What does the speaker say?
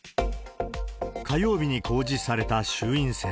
火曜日に公示された衆院選。